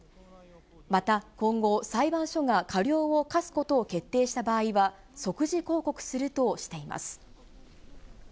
また今後、裁判所が過料を科すことを決定した場合は、即時抗告するとしています。